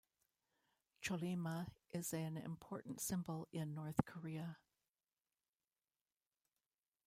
Chollima is an important symbol in North Korea.